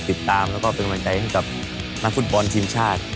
ติดตามแล้วก็เป็นกำลังใจให้กับนักฟุตบอลทีมชาติ